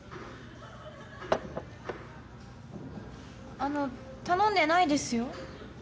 あの頼んでないですよ？